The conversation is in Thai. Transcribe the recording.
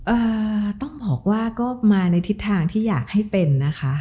เอ่อต้องบอกว่าก็มาในทิศทางที่อยากให้เป็นนะคะ